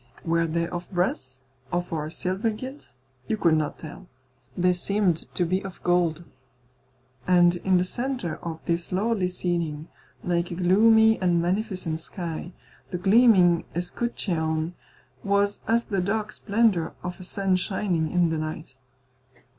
Were they of brass or of silver gilt? You could not tell. They seemed to be of gold. And in the centre of this lordly ceiling, like a gloomy and magnificent sky, the gleaming escutcheon was as the dark splendour of a sun shining in the night.